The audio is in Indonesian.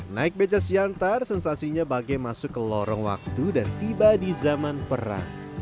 naik beca siantar sensasinya bagai masuk ke lorong waktu dan tiba di zaman perang